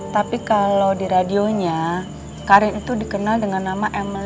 tapi kalau di radionya karin itu dikenal dengan nama emil